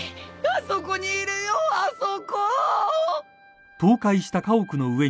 あそこにいるよあそこぉ。